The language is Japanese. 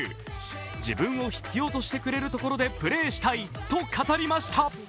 自分を必要としてくれるところでプレーしたいと語りました。